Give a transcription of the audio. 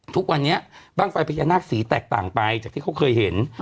ทุกวันนี้บ้างไฟพญานาคสีแตกต่างไปจากที่เขาเคยเห็น